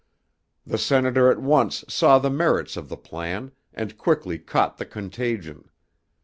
The Senator at once saw the merits of the plan and quickly caught the contagion.